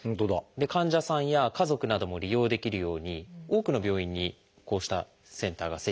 患者さんや家族なども利用できるように多くの病院にこうしたセンターが設置されているんです。